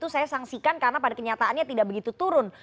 saya saksikan karena pada kenyataannya tidak begitu turun